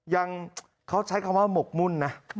ยังเขาใช้คำว่าหมกมุ่นนะ